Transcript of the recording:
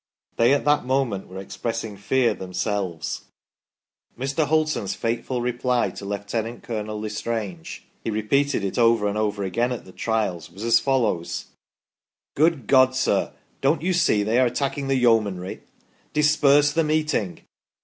They at that moment were expressing fear themselves." Mr. Hulton's fateful reply to Lieut. Colonel L' Estrange (he re peated it over and over again at the Trials) was as follows :" Good God, sir ! don't you see they are attacking the Yeomanry ? Disperse the meeting."